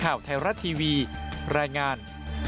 ข่าวไทยรัฐทีวีรายงาน